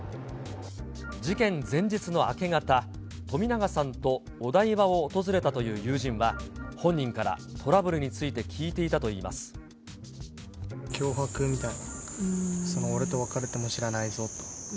事件前日の明け方、冨永さんとお台場を訪れたという友人は、本人からトラブルについ脅迫みたいな、俺と別れても知らないぞとか。